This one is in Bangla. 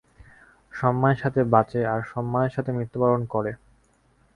সম্মানের সাথে বাঁচে, আর সম্মানের সাথে মৃত্যুবরণ করে।